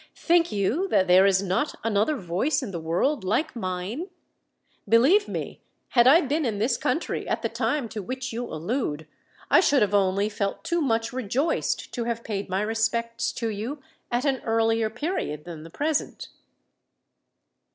Think you that there is not another voice in the world like mine? Believe me, had I been in this country at the time to which you allude, I should have only felt too much rejoiced to have paid my respects to you at an earlier period than the present."